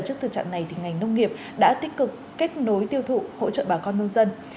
trước thực trạng này ngành nông nghiệp đã tích cực kết nối tiêu thụ hỗ trợ bà con nông dân